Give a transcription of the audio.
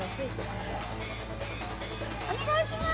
お願いします